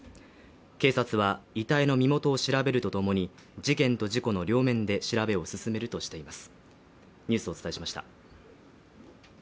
警察は遺体の身元を調べるとともに事件と事故の両面で調べを進めるとしています。